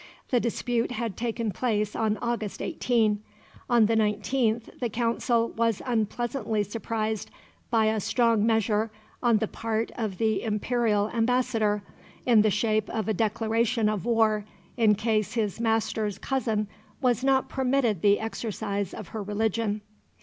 The dispute had taken place on August 18. On the 19th the Council was unpleasantly surprised by a strong measure on the part of the imperial ambassador, in the shape of a declaration of war in case his master's cousin was not permitted the exercise of her religion.